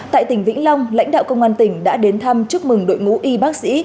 tại tỉnh vĩnh long lãnh đạo công an tỉnh đã đến thăm chúc mừng đội ngũ y bác sĩ